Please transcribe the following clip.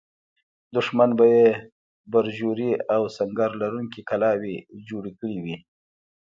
دښمن به یې برجورې او سنګر لرونکې کلاوې جوړې کړې وي.